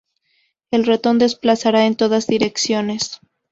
El ratón desplazará en todas direcciones.